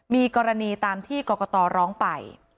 มีกรณีตามที่กรกตร้องไป